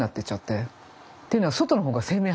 っていうのは外の方が生命反応が多い。